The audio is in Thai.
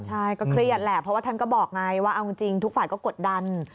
ใช่ก็เครียดแหละเพราะว่าท่านก็บอกไงว่าเอาจริงทุกฝ่ายก็กดดัน